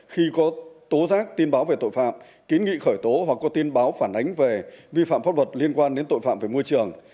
khi có tố giác tin báo về tội phạm kiến nghị khởi tố hoặc có tin báo phản ánh về vi phạm pháp luật liên quan đến tội phạm về môi trường